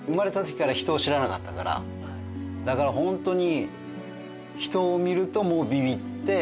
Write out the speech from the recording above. だからホントに。